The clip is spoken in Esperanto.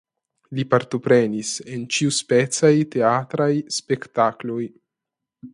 Li partoprenis en ĉiuspecaj teatraj spektakloj.